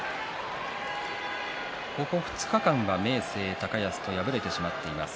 ここ２日間は明生、高安と敗れてしまっています。